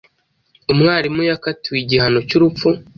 umwarimu yakatiwe igihano cy'urupfu